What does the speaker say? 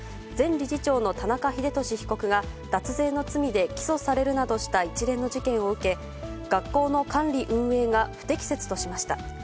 前理事長の田中英壽被告が、脱税の罪で起訴されるなどした一連の事件を受け、学校の管理運営が不適切としました。